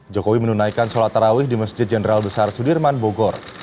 jokowi menunaikan sholat tarawih di masjid jenderal besar sudirman bogor